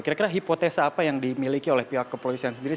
kira kira hipotesa apa yang dimiliki oleh pihak kepolisian sendiri